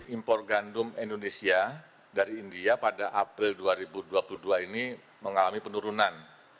impor gandum indonesia dari india pada april dua ribu dua puluh dua ini mengalami penurunan